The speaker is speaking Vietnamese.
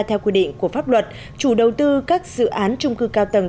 theo quy định của pháp luật chủ đầu tư các dự án trung cư cao tầng